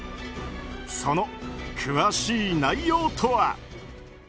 その詳しい内容とは。